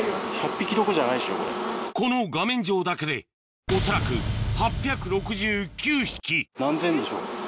この画面上だけで恐らく何千でしょ。